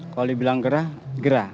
kalau dibilang gerah gerah